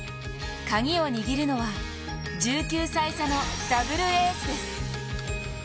カギを握るのは１９歳差のダブルエースです。